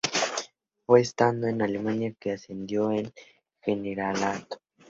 Fue estando en Alemania que ascendió al generalato.